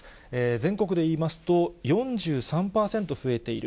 全国でいいますと、４３％増えている。